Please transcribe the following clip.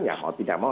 ya mau tidak mau